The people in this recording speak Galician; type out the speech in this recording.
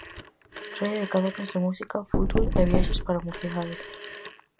Rede de cadernos de música, fútbol e viaxes para a mocidade.